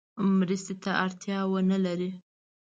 مرستې ته اړتیا ونه لري.